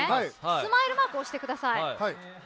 スマイルマークを押してください。